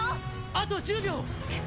「あと１０秒！」